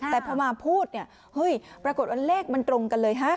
แต่พอมาพูดเนี่ยเฮ้ยปรากฏว่าเลขมันตรงกันเลยฮะ